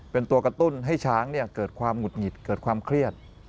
เป็นตัวกระตุ้นให้ช้างเกิดความหงุดหงิดเกิดความเครียด